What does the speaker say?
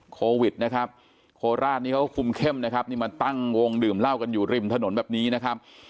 โควิดนะครับโคราชนี้เขาคุมเข้มนะครับนี่มาตั้งวงดื่มเหล้ากันอยู่ริมถนนแบบนี้นะครับ